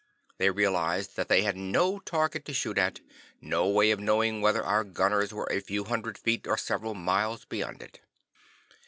They realized that they had no target to shoot at, no way of knowing whether our gunners were a few hundred feet or several miles beyond it.